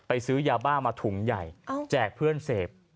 ซื้อยาบ้ามาถุงใหญ่แจกเพื่อนเสพ